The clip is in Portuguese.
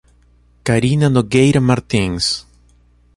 Carina Nogueira Martins